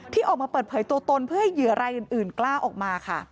ที่ออกมาเปิดเผยตัวตนเพื่อให้เหยื่อรายอื่นกล้าออกมาค่ะ